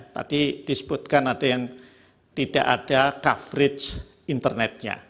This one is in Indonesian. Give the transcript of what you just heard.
tadi disebutkan ada yang tidak ada coverage internetnya